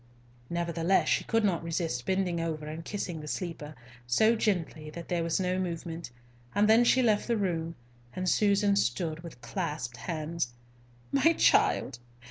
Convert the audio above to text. Nevertheless, she could not resist bending over and kissing the sleeper, so gently that there was no movement. Then she left the room, and Susan stood with clasped hands. "My child!